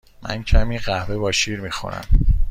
من کمی قهوه با شیر می خورم.